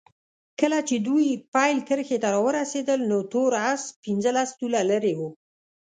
کله چې دوی پیل کرښې ته راورسېدل نو تور اس پنځلس طوله لرې وو.